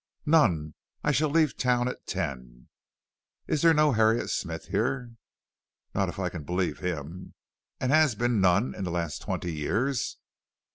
"None; I shall leave town at ten." "Is there no Harriet Smith here?" "Not if I can believe him." "And has been none in the last twenty years?"